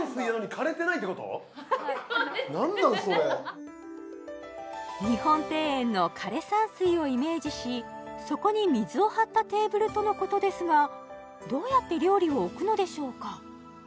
何なんそれ日本庭園の枯山水をイメージしそこに水を張ったテーブルとのことですがどうやって料理を置くのでしょうか？